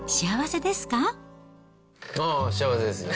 ああ、幸せですね。